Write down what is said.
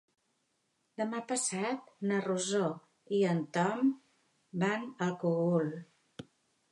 Demà passat na Rosó i en Tom van al Cogul.